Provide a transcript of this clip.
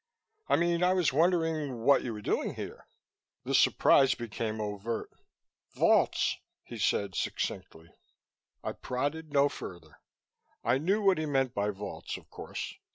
"I mean, I was wondering what you were doing here." The surprise became overt. "Vaults," he said succinctly. I prodded no further. I knew what he meant by vaults, of course.